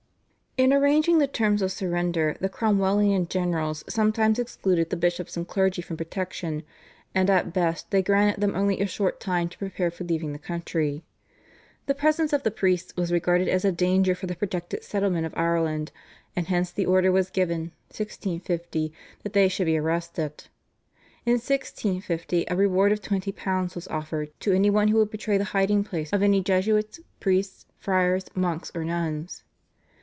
In arranging the terms of surrender the Cromwellian generals sometimes excluded the bishops and clergy from protection, and at best they granted them only a short time to prepare for leaving the country. The presence of the priests was regarded as a danger for the projected settlement of Ireland, and hence the order was given (1650) that they should be arrested. In 1650 a reward of £20 was offered to any one who would betray the hiding place of any Jesuits, priests, friars, monks, or nuns.